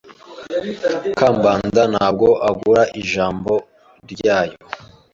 Kambanda ntabwo agura ijambo ryayo.